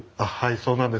そうなんです。